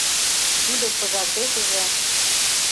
Тудо пыжашешыже